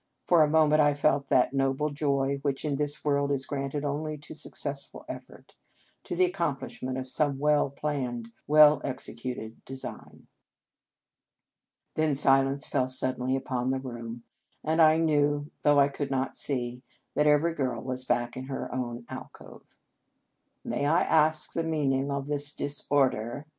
For a moment I felt that noble joy which in this world is granted only to suc cessful effort, to the accomplishment of some well planned, well executed design. Then silence fell suddenly upon the room, and I knew, though I could not see, that every girl was back in her own alcove. " May I ask the meaning of this disorder!"